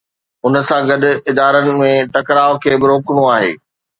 ان سان گڏ ادارن ۾ ٽڪراءُ کي به روڪڻو آهي.